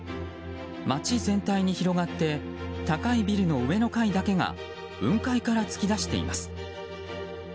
街全体に広がって高いビルの上の階だけが雲海から突き出しています。